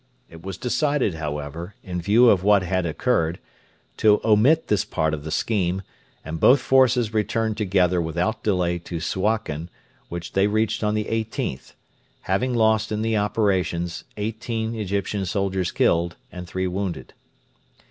It was decided, however, in view of what had occurred, to omit this part of the scheme, and both forces returned together without delay to Suakin, which they reached on the 18th, having lost in the operations eighteen Egyptian soldiers killed and three wounded.